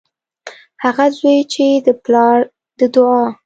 هغه زوی چې د پلار د دعا